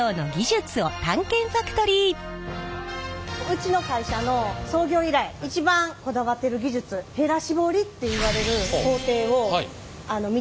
うちの会社の創業以来一番こだわってる技術へら絞りっていわれる工程を見ていただきたいなと思ってます。